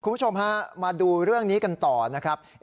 คุณผู้ชมฮะมาดูเรื่องนี้กันต่อนะครับ